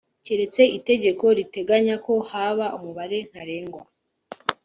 keretse itegeko riteganyako haba umubare ntarengwa